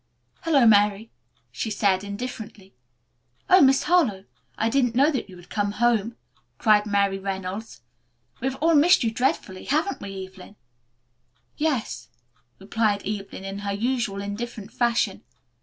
"Hello, Mary," she said indifferently. "Oh, Miss Harlowe, I didn't know that you had come home," cried Mary Reynolds. "We have all missed you dreadfully, haven't we, Evelyn?" "Yes," replied Evelyn in her usual indifferent fashion.